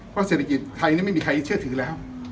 เพราะเศรษฐกิจไทยไม่มีใครเชื่อถือแล้ว